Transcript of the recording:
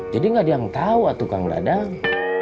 jadi nggak ada yang tahu atu kang dadang